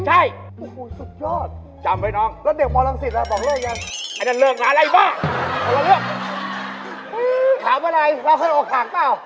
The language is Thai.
ใช่ถามอะไรเราเคยอกหักเปล่า